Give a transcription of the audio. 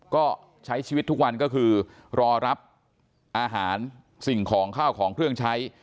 ก็ใช้ชีวิตทุกวันก็คือรอรับอาหารสิ่งของข้าวของเครื่องใช้